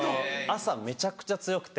朝めちゃくちゃ強くて。